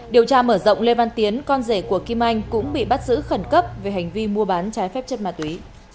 điều tra mở rộng lê văn tiến con rể của kim anh cũng bị bắt giữ khẩn cấp về hành vi mua bán trái phép chất ma túy